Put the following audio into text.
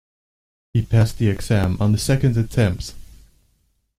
He passed the exam on the second attempt